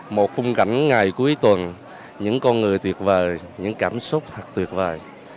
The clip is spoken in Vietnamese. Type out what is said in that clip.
một khung cảnh ngày cuối tuần những con người tuyệt vời những cảm xúc thật tuyệt vời